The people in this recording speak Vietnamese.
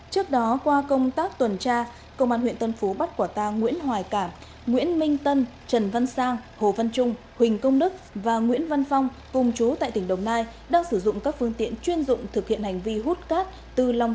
trước đó qua công tác tuần tra công an huyện tân phú bắt quả tàng nguyễn hoài cảm nguyễn minh tân trần văn sang hồ văn trung huỳnh công đức và nguyễn văn phong cùng chú tại tỉnh đồng nai đang sử dụng các phương tiện chuyên dụng thực hiện hành động